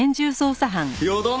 よどん